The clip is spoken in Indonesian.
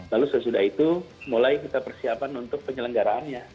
lalu sesudah itu mulai kita persiapan untuk penyelenggaraannya